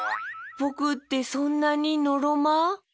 ぼくってそんなにのろま？